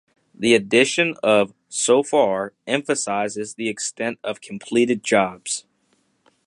The addition of "so far" emphasizes the extent of completed jobs.